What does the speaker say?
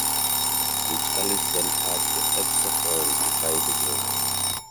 Rich Karlis then adds the extra point to tie the game.